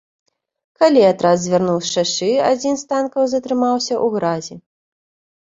Калі атрад звярнуў з шашы, адзін з танкаў затрымаўся ў гразі.